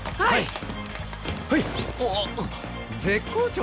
はい。